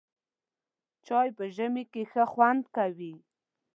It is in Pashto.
چای په ژمي کې ښه خوند کوي.